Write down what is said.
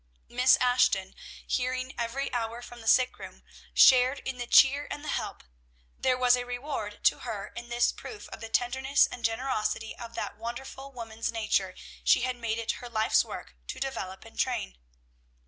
Miss Ashton, hearing every hour from the sickroom, shared in the cheer and the help; there was a reward to her in this proof of the tenderness and generosity of that wonderful woman's nature she had made it her life's work to develop and train.